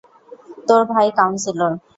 তোর ভাই কাউন্সিলর।